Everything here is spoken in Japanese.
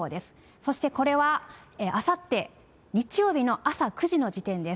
そしてこれはあさって日曜日の朝９時の時点です。